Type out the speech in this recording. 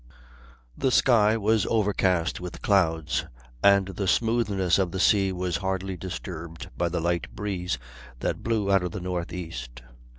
The sky was overcast with clouds, and the smoothness of the sea was hardly disturbed by the light breeze that blew out of the northeast.